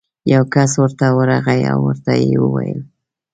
یو کس ورته ورغی او ورته ویې ویل: